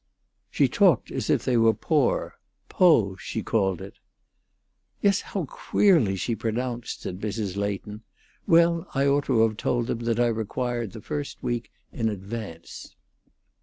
"She talked as if they were poor; poo' she called it." "Yes, how queerly she pronounced," said Mrs. Leighton. "Well, I ought to have told them that I required the first week in advance."